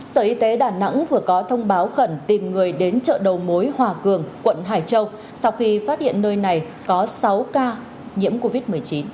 sở y tế đà nẵng vừa có thông báo khẩn tìm người đến chợ đầu mối hòa cường quận hải châu sau khi phát hiện nơi này có sáu ca nhiễm covid một mươi chín